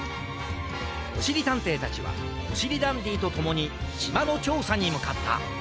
おしりたんていたちはおしりダンディとともにしまのちょうさにむかった。